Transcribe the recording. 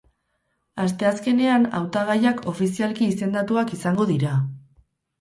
Asteazkenean hautagaiak ofizialki izendatuak izango dira.